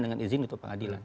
dengan izin itu pengadilan